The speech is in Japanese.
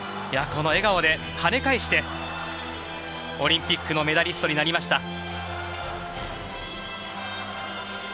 この笑顔ではね返してオリンピックのメダリストになりました。